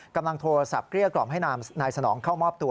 กำลังโทรศัพท์เกลี้ยกล่อมให้นายสนองเข้ามอบตัว